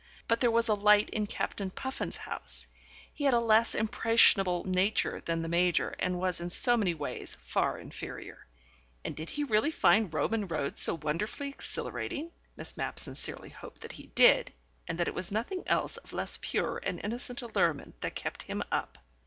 But there was a light in Captain Puffin's house: he had a less impressionable nature than the Major and was in so many ways far inferior. And did he really find Roman roads so wonderfully exhilarating? Miss Mapp sincerely hoped that he did, and that it was nothing else of less pure and innocent allurement that kept him up.